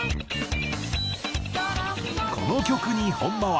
この曲に本間は。